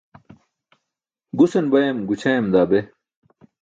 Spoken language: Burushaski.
Gusan bayam gućʰayam daa be.